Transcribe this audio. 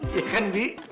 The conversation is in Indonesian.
iya kan bi